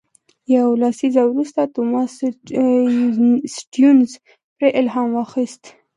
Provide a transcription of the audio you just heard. یو لسیزه وروسته توماس سټيونز پرې الهام واخیست.